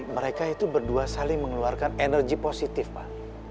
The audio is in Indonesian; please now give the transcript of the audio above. mereka itu berdua saling mengeluarkan energi positif pak